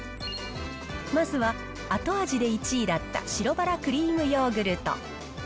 まずは、後味で１位だった白バラクリームヨーグルト。